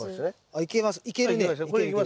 いけます？